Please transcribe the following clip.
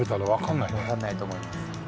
わかんないと思います。